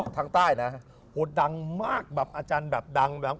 ทางใต้นะโหดดังมากแบบอาจารย์แบบดังแบบ